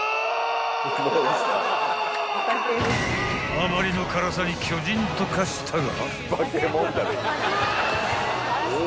［あまりの辛さに巨人と化したが］